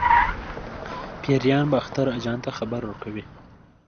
پیریان باختر اجان ته خبر ورکوي.